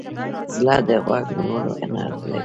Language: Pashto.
زړه د غوږ نیولو هنر لري.